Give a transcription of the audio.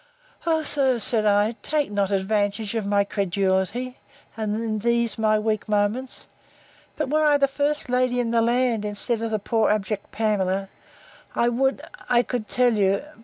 O, sir! said I, take not advantage of my credulity, and these my weak moments: but were I the first lady in the land, instead of the poor abject Pamela, I would, I could tell you.